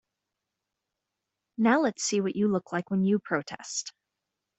Now let's see what you look like when you protest.